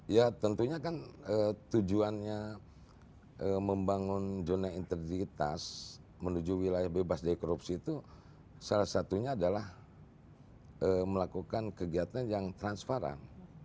ya tentunya kan tujuannya membangun zona integritas menuju wilayah bebas dari korupsi itu salah satunya adalah melakukan kegiatan yang transparan